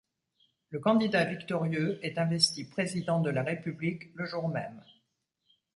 Le candidat victorieux est investi président de la République le jour même.